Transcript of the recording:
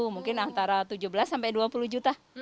mungkin antara tujuh belas sampai dua puluh juta